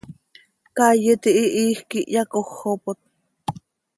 Caay iti hihiij quih hyacójopot.